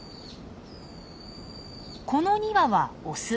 この２羽はオス。